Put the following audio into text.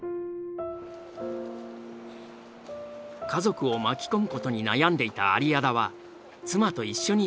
家族を巻き込むことに悩んでいた有屋田は妻と一緒にやって来た。